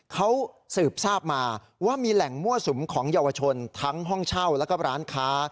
เขาสืบทราบมาว่ามีแหล่งมั่วสุมของเยาวชนทั้งห้องเช่าแล้วก็ร้านค้า